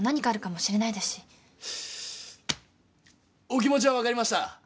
お気持ちは分かりました。